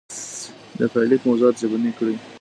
د پايليک موضوعات ژبني کړئ.